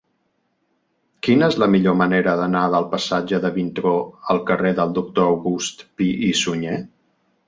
Quina és la millor manera d'anar del passatge de Vintró al carrer del Doctor August Pi i Sunyer?